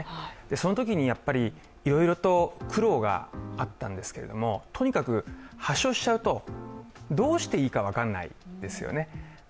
そのときにいろいろと苦労があったんですけれども、とにかく発症しちゃうと、どうしていいか分からないですよね。